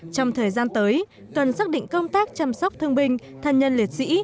trong thời gian tới cần xác định công tác chăm sóc thương binh thân nhân liệt sĩ